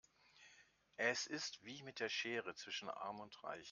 Es ist wie mit der Schere zwischen arm und reich.